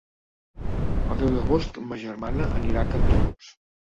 El deu d'agost ma germana anirà a Cantallops.